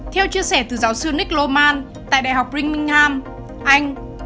theo chia sẻ từ giáo sư nick loman tại đại học birmingham anh